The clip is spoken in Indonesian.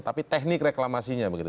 tapi teknik reklamasinya begitu